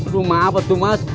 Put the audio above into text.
rumah apa tuh mas